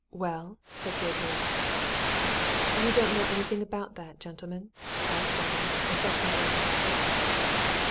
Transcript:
"Well?" said Gabriel. "You don't know anything about that, gentlemen?" asked Starmidge, affecting great innocence.